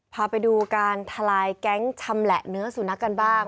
พาไปดูการทลายแก๊งชำแหละเนื้อสุนัขกันบ้าง